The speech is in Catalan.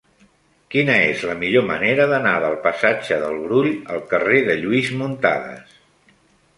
Quina és la millor manera d'anar del passatge del Brull al carrer de Lluís Muntadas?